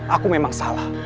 aku memang salah